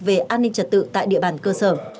về an ninh trật tự tại địa bàn cơ sở